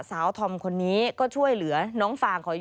สาวธรรมคนนี้ก็ช่วยเหลือน้องฟาง